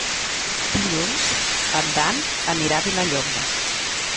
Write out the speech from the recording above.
Dilluns en Dan anirà a Vilallonga.